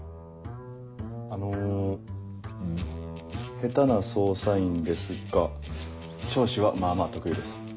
ヘタな捜査員ですが聴取はまあまあ得意です。